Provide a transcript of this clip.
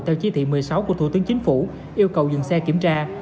theo chỉ thị một mươi sáu của thủ tướng chính phủ yêu cầu dừng xe kiểm tra